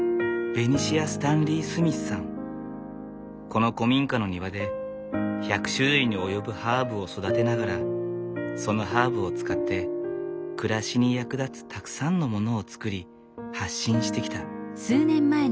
この古民家の庭で１００種類に及ぶハーブを育てながらそのハーブを使って暮らしに役立つたくさんのものを作り発信してきた。